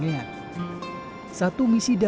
dan anda juga